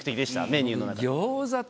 メニューの中で。